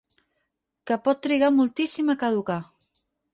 Que pot trigar moltíssim a caducar.